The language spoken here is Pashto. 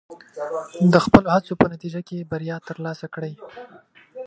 د خپلو هڅو په نتیجه کې بریا ترلاسه کړئ.